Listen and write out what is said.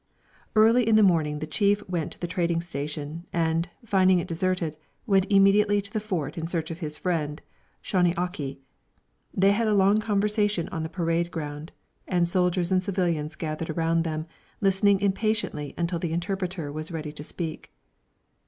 Early in the morning the chief went to the trading station, and, finding it deserted, went immediately to the Fort in search of his friend Shaw nee aw kee. They had a long conversation on the parade ground, and soldiers and civilians gathered around them, listening impatiently until the interpreter was ready to speak.